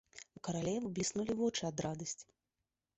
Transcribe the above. У каралевы бліснулі вочы ад радасці.